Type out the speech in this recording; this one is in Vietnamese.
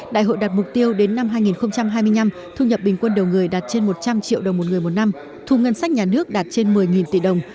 đại hội đạt mục tiêu đến năm hai nghìn hai mươi năm thu nhập bình quân đầu người đạt trên một trăm linh triệu đồng một người một năm thu ngân sách nhà nước đạt trên một mươi tỷ đồng